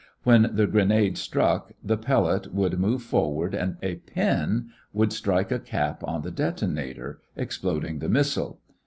When the grenade struck, the pellet D would move forward and a pin, E, would strike a cap on the detonator F, exploding the missile.